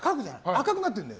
赤くなってるの。